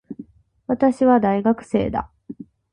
私は、大学生だ。